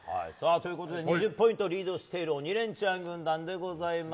２０ポイントリードしている「鬼レンチャン」軍団でございます。